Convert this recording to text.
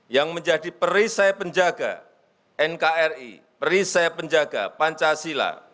yang menjadi perisai penjaga nkri perisai penjaga pancasila